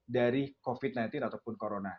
dari covid sembilan belas ataupun corona